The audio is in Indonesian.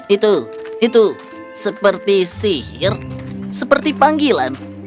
itu itu seperti sihir seperti panggilan